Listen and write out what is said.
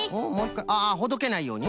ああほどけないようにね。